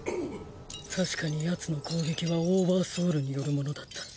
確かにヤツの攻撃はオーバーソウルによるものだった。